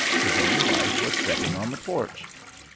His own wife was stepping on the porch.